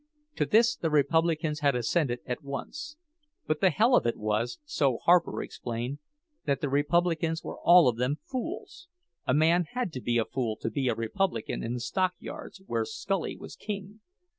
To this the Republicans had assented at once; but the hell of it was—so Harper explained—that the Republicans were all of them fools—a man had to be a fool to be a Republican in the stockyards, where Scully was king.